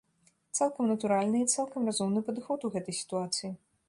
Цалкам натуральны і цалкам разумны падыход у гэтай сітуацыі.